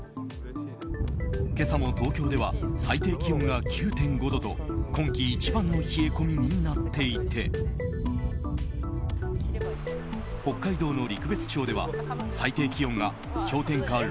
今朝も東京では最低気温が９．５度と今季一番の冷え込みになっていて北海道の陸別町では最低気温が氷点下